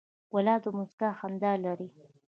ګلاب د موسکا خندا لري.